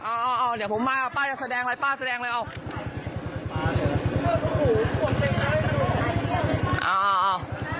เอาเอาเดี๋ยวผมมาป้าจะแสดงอะไรป้าแสดงเลยอ้าว